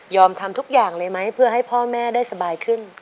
ทำทุกอย่างเลยไหมเพื่อให้พ่อแม่ได้สบายขึ้น